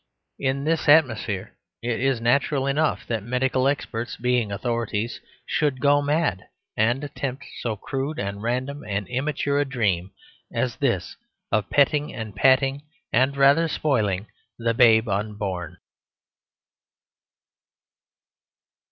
In this atmosphere it is natural enough that medical experts, being authorities, should go mad, and attempt so crude and random and immature a dream as this of petting and patting (and rather spoiling) the babe unborn.